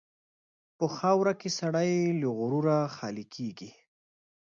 په خاوره کې سړی له غروره خالي کېږي.